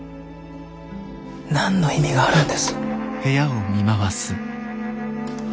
何の意味があるんです？